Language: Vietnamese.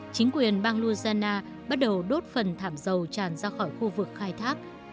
chính quyền bang luzana bắt đầu đốt phần thảm dầu tràn ra khỏi khu vực khai thác